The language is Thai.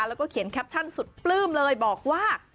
แล้วก็เขียนแคปชั่นสุดปลื้มเลยบอกว่า